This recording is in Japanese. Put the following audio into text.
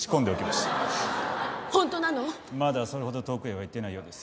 まだそれほど遠くへは行っていないようです。